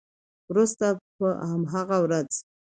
وروسته په همغه ورځ